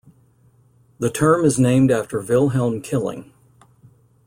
The term is named after Wilhelm Killing.